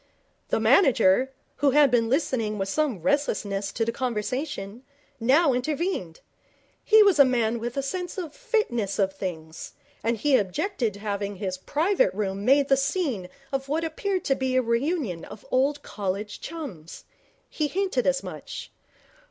The manager, who had been listening with some restlessness to the conversation, now intervened. He was a man with a sense of fitness of things, and he objected to having his private room made the scene of what appeared to be a reunion of old college chums. He hinted as much.